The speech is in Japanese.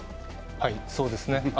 そうですね。